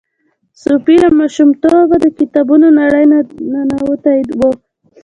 صوفي له ماشومتوبه د کتابونو نړۍ ننوتې وه.